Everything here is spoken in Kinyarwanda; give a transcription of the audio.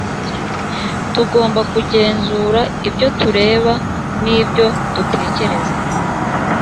tugomba kugenzura ibyo tureba n’ ibyo dutekereza